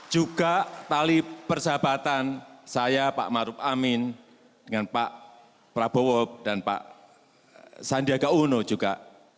juga tali persahabatan saya pak maruf amin dengan pak prabowo dan pak sandiaga uno juga